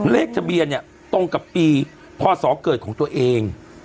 เลขทะเบียนเนี่ยตรงกับปีพศเกิดของตัวเอง